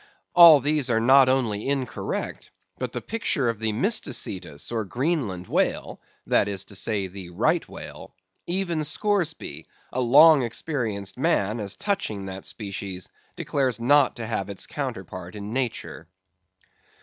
All these are not only incorrect, but the picture of the Mysticetus or Greenland whale (that is to say, the Right whale), even Scoresby, a long experienced man as touching that species, declares not to have its counterpart in nature.